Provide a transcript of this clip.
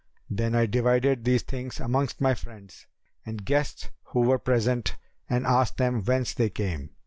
Then I divided these things amongst my friends and guests who were present and asked them whence they came.